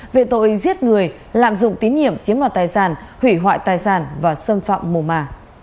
về tội giết người lạm dụng tín nhiệm chiếm đoạt tài sản hủy hoại tài sản và xâm phạm mùa mà